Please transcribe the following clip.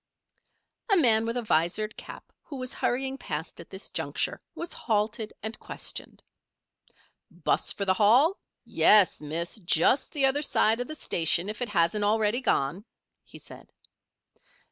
A man with a visored cap who was hurrying past at this juncture, was halted and questioned. "'Bus for the Hall? Yes, Miss. Just the other side of the station if it hasn't already gone," he said.